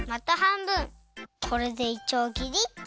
これでいちょうぎりっと。